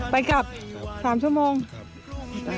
ไปกับ๓ชั่วโมง